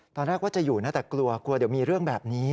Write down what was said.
ตอนแรกว่าจะอยู่นะแต่กลัวกลัวเดี๋ยวมีเรื่องแบบนี้